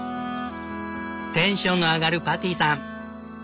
テンションの上がるパティさん。